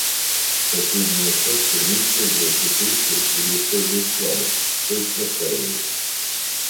Соседние хосты не используют ресурсы или используют слабо, то есть простаивают